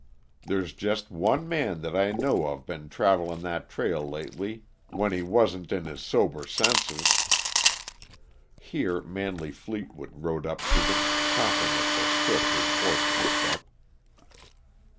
There's jest one man that I know of been traveling that trail lately when he wa'n't in his sober senses " Here Manley Fleetwood rode up to them, coughing at the soot his horse kicked up.